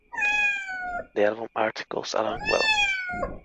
The album art goes along well.